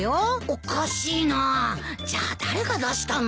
おかしいなじゃあ誰が出したんだろう？